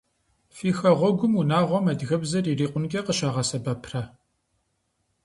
Фи хэгъуэгум унагъуэм адыгэбзэр ирикъункӏэ къыщагъэсэбэпрэ?